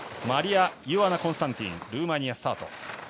マリアイオアナ・コンスタンティンルーマニア、スタート。